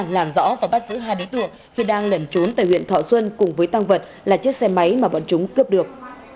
làm rõ và bắt giữ hai đối tượng khi đang lẩn trốn tại huyện thọ xuân cùng với tăng vật là chiếc xe máy mà bọn chúng cướp được